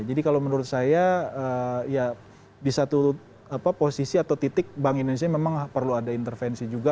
jadi kalau menurut saya ya di satu apa posisi atau titik bank indonesia memang perlu ada intervensi juga